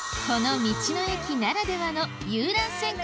この道の駅ならではの遊覧船